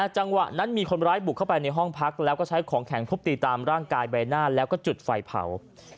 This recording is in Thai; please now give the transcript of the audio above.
จังหวะนั้นมีคนร้ายบุกเข้าไปในห้องพักแล้วก็ใช้ของแข็งทุบตีตามร่างกายใบหน้าแล้วก็จุดไฟเผา